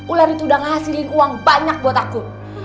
ular itu udah ngasilin uang banyak buat aku